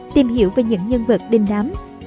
tìm hiểu về những nhân vật đình đám